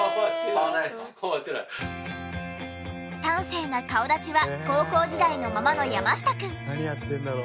端正な顔立ちは高校時代のままの山下くん。